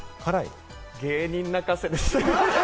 芸人泣かせですね！